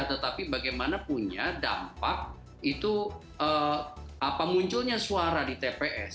tetapi bagaimana punya dampak itu apa munculnya suara di tps